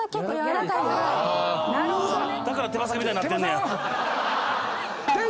だから手羽先みたいになってんねや。